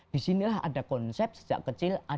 disinilah ada konsep sejak kecil